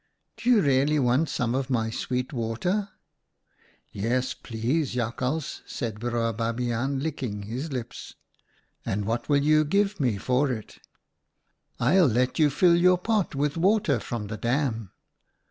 ' Do you really want some of my sweet water ?'"* Yes, please, Jakhals,' said Broer Babiaan, licking his lips. "' And what will you give me for it ?'■■' I'll let you fill your pot with water from the dam.'